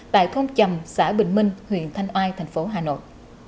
tại thông chầm xã bình minh huyện thanh oai tp hà nội